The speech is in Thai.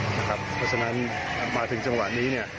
เพราะฉะนั้นมาถึงจังหวัดนี้เนี่ย